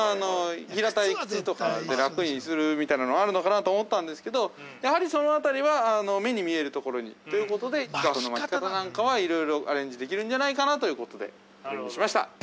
平たい靴とか、楽にするみたいなのがあるのかなと思ったんですけど、やはりそのあたりは、目に見えるところにということでスカーフの巻き方なんかは、いろいろアレンジできるんじゃないかなということで、これにしました。